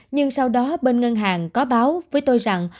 nhưng sau đó bên ngân hàng có báo với tôi rằng